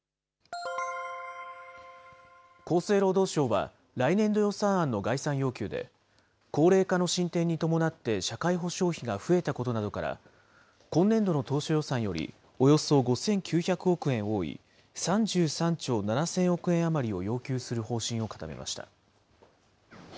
厚生労働省は来年度予算案の概算要求で、高齢化の進展に伴って社会保障費が増えたことなどから、今年度の当初予算よりおよそ５９００億円多い３３兆７０００億円余りを要求する方針を固めました。